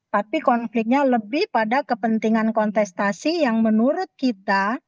tapi konfliknya lebih pada kepentingan kontestasi yang menurut kita